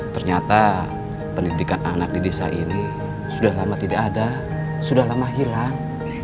ternyata pendidikan anak di desa ini sudah lama tidak ada sudah lama hilang